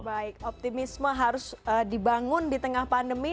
baik optimisme harus dibangun di tengah pandemi